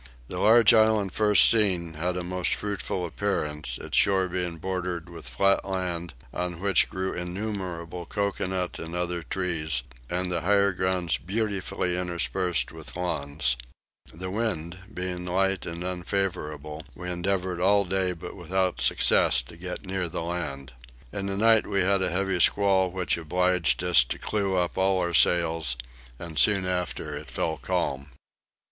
The large island first seen had a most fruitful appearance, its shore being bordered with flat land, on which grew innumerable coconut and other trees; and the higher grounds beautifully interspersed with lawns. The wind being light and unfavourable we endeavoured all day but without success to get near the land. In the night we had a heavy squall which obliged us to clew up all our sails and soon after it fell calm.